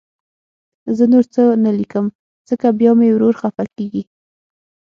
زه نور څه نه لیکم، ځکه بیا مې ورور خفه کېږي